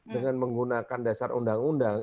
dengan menggunakan dasar undang undang